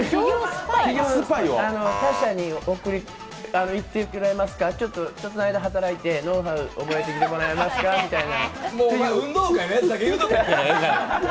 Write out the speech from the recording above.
他社に行ってもらってちょっとの間、働いてノウハウ覚えてきてもらえますかみたいな。